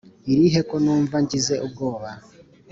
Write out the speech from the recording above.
irihe ko numva ngize ubwoba”